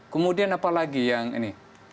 kemudian apa lagi yang ini